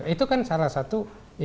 itu kan salah satu